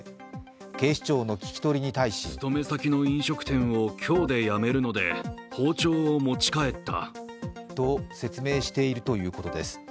警視庁の聞き取りに対しと、説明しているということです。